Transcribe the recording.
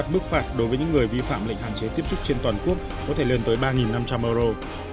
các trường hợp vi phạm lệnh hạn chế tiếp xúc trên toàn quốc có thể lên tới ba năm trăm linh euro